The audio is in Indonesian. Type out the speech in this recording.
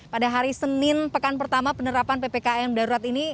pada hari senin pekan pertama penerapan ppkm darurat ini